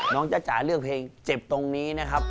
จ๊ะจ๋าเลือกเพลงเจ็บตรงนี้นะครับ